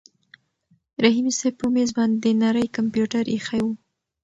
رحیمي صیب په مېز باندې نری کمپیوټر ایښی و.